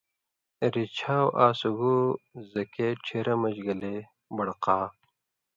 رِچھاٶ آ سُگو زکے چھیرہ مژ گلے بڑقا